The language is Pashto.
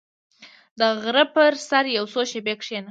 • د غره پر سر یو څو شېبې کښېنه.